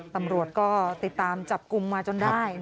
ตำรวจก็ติดตามจับกลุ่มมาจนได้